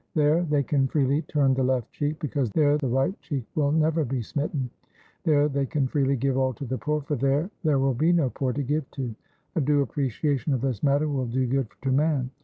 There, they can freely turn the left cheek, because there the right cheek will never be smitten. There they can freely give all to the poor, for there there will be no poor to give to. A due appreciation of this matter will do good to man.